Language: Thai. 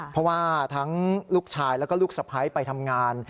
เพราะว่าทั้งลูกชายแล้วก็ลูกสะพ้ายไปทำงาน